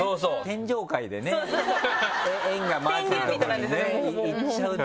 天上界でね縁が回ってるとこにね行っちゃうとね